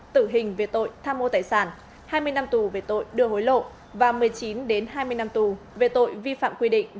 tử hình về tội tham mô tài sản hai mươi năm tù về tội đưa hối lộ và một mươi chín hai mươi năm tù về tội vi phạm quy định